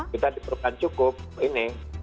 kita diperlukan cukup ini